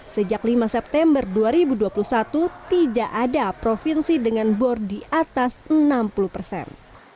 sejak lima september dua ribu dua puluh satu tidak ada provinsi dengan bor di atas enam puluh persen